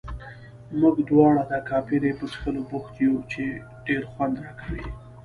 موږ دواړه د کاپري په څښلو بوخت یو، چې ډېر خوند راکوي.